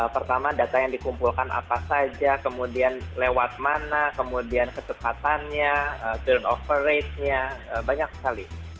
pertama data yang dikumpulkan apa saja kemudian lewat mana kemudian kecepatannya turn over ratenya banyak sekali